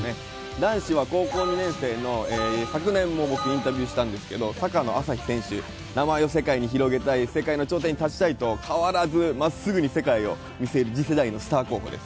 男子は高校２年生の昨年も僕インタビューしたんですけど坂野旭飛選手名前を世界に広げたい世界の頂点に立ちたいと、変わらず世界を見据える、次世代のスターです。